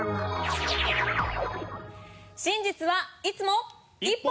「真実はいつも１本！